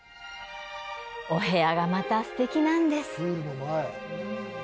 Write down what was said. お部屋がまたすてきなんです！